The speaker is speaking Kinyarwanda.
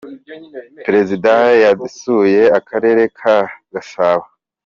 perezida yasuye akarere ka gasabo.